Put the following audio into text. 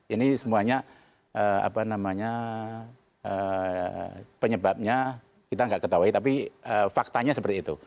ini semuanya apa namanya penyebabnya kita nggak ketahui tapi faktanya seperti itu